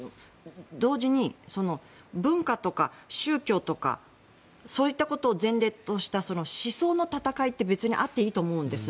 同時に文化とか宗教とかそういったことを前例とした思想の戦いって別にあっていいと思うんです。